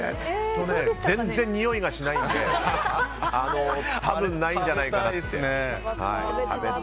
全然においがしないのであの、多分ないんじゃないかと。